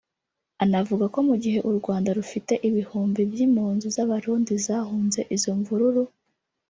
Anavuga ko mu gihe u Rwanda rufite ibihumbi by’impunzi z’Abarundi zahunze izo mvururu